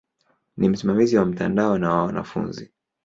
Ni msimamizi wa mtandao na wa wanafunzi.